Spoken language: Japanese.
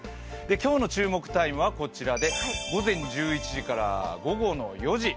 今日の注目タイムはこちらで午前１１時から午後４時。